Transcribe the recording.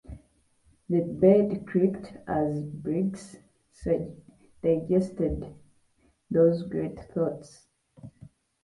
The bed creaked, as Briggs digested these great thoughts.